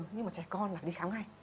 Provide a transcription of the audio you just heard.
nhưng mà trẻ con là đi khám ngay